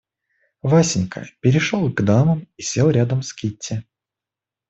Васенька перешел к дамам и сел рядом с Кити.